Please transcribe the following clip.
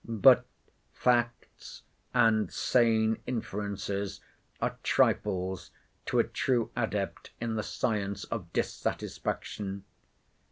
But facts and sane inferences are trifles to a true adept in the science of dissatisfaction.